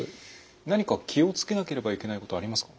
何か気を付けなければいけないことはありますか？